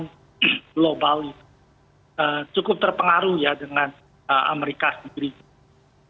global cukup terpengaruh ya dengan amerika serikat